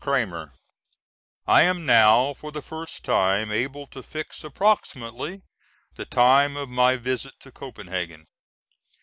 CRAMER: I am now for the first time able to fix approximately the time of my visit to Copenhagen.